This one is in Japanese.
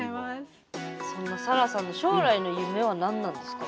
そんなさらさんの将来の夢は何なんですか？